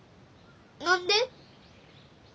何で？